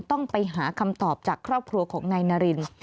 ต้องไปหาคำตอบจากครอบครัวของนายนาริน